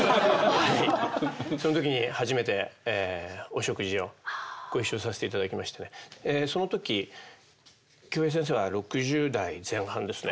その時に初めてお食事をご一緒させていただきましてねその時京平先生は６０代前半ですね。